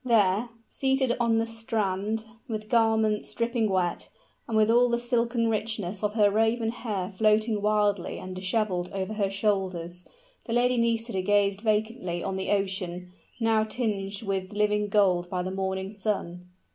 There, seated on the strand, with garments dripping wet, and with all the silken richness of her raven hair floating wildly and disheveled over her shoulders, the Lady Nisida gazed vacantly on the ocean, now tinged with living gold by the morning sun.